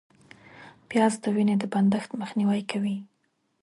پیاز د وینې د بندښت مخنیوی کوي